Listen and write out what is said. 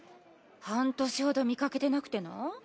半年ほど見かけてなくてな。